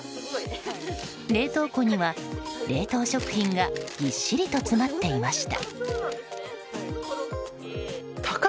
冷凍庫には、冷凍食品がぎっしりと詰まっていました。